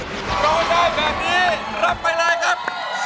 ร้องได้แบบนี้รับไปเลยครับ